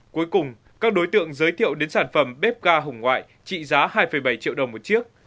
cuối cùng các đối tượng giới thiệu đến sản phẩm bếp ga hồng ngoại trị giá hai bảy triệu đồng một chiếc